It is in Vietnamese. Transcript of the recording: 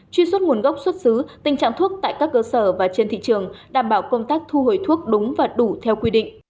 truy xuất nguồn gốc xuất xứ tình trạng thuốc tại các cơ sở và trên thị trường đảm bảo công tác thu hồi thuốc đúng và đủ theo quy định